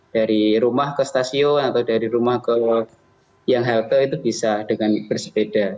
dari rumah ke stasiun atau dari rumah ke yang halte itu bisa dengan bersepeda